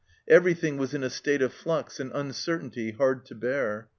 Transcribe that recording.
Everything was in a state of flux and uncertainty hard to bear.